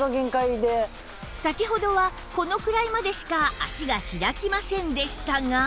先ほどはこのくらいまでしか脚が開きませんでしたが